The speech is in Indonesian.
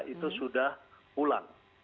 itu sudah pulang